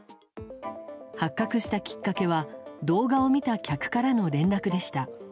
発覚したきっかけは動画を見た客からの連絡でした。